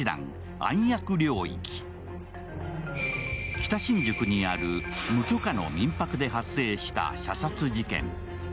北新宿にある無許可の民泊で発生した射殺事件。